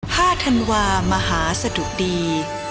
ห้าธันวามหาสดุดี